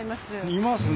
いますね。